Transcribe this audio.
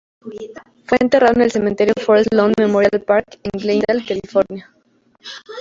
Fue enterrado en el Cementerio Forest Lawn Memorial Park, en Glendale, California.